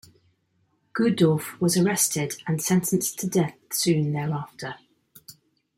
Guddorf was arrested and sentenced to death soon thereafter.